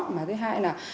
mà thứ hai là